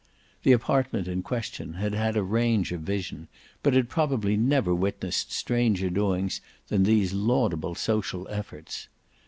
The apartment in question had had a range of vision, but had probably never witnessed stranger doings than these laudable social efforts.